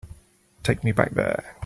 Take me back there.